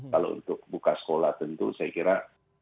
kalau untuk buka sekolah tentu saya kira